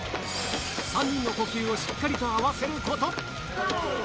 ３人の呼吸をしっかり合わせること。